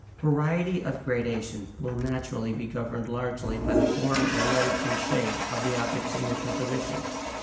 ] Variety of gradation will naturally be governed largely by the form and light and shade of the objects in your composition.